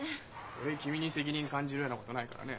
俺君に責任感じるようなことないからね。